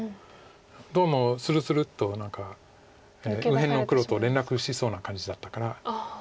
どうもスルスルッと何か右辺の黒と連絡しそうな感じだったから。